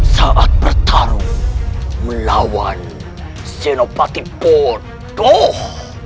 saat bertarung melawan senopati bodoh